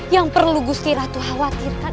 yang perlu gusti ratu khawatirkan